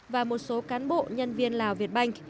và một số cán bộ nhân viên lào việt banh